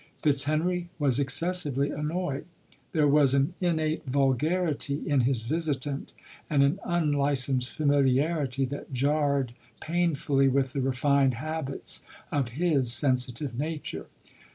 Fitz henry was excessively annoyed. There was an innate vulgarity in his visitant, and an unli censed familiarity that jarred painfully with the refined habits of his sensitive nature.